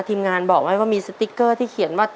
ทีมงานบอกไว้ว่ามีสติ๊กเกอร์ที่เขียนว่า